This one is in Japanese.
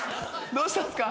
どうしたんですか？